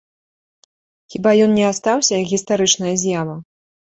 Хіба ён не астаўся, як гістарычная з'ява?